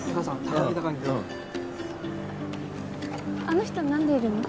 あの人なんでいるの？